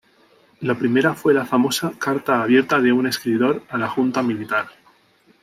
La primera fue la famosa "Carta abierta de un escritor a la Junta Militar".